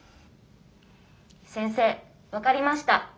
先生わかりましたっ。